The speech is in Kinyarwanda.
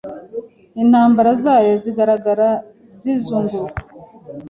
intambara zayo zigaragara zizunguruka